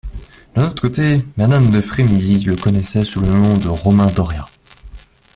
D'un autre côté, madame de Frémilly le connaissait sous le nom de Romain Doria.